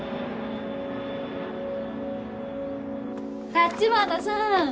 橘さん